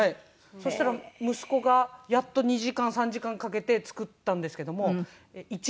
そしたら息子がやっと２時間３時間かけて作ったんですけども１時間ほどで飽きました。